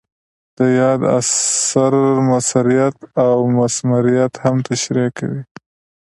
د یاد اثر مؤثریت او مثمریت هم تشریح کوي.